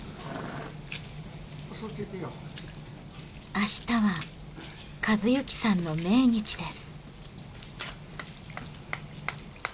明日は一幸さんの命日です。